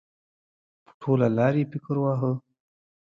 په ټوله لار یې فکر واهه.